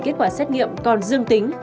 kết quả xét nghiệm còn dương tính